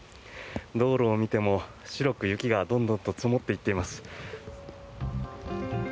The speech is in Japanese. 道路を見ても白く雪がどんどんと積もっていっています。